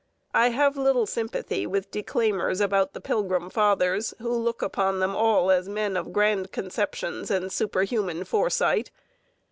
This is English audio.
I have little sympathy with declaimers about the Pilgrim Fathers, who look upon them all as men of grand conceptions and superhuman foresight.